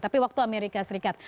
tapi waktu amerika serikat